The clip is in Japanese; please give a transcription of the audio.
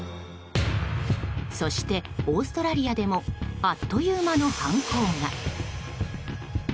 そして、オーストラリアでもあっという間の犯行が。